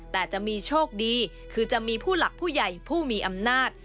แต่จะมีโชคดีคือจะมีผู้หลักผู้ใหญ่ผู้มีอำนาจ